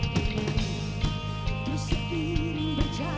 kau takut berakse